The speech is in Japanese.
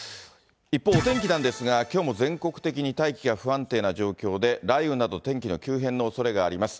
一方、お天気なんですが、きょうも全国的に大気が不安定な状況で、雷雨など、天気の急変のおそれがあります。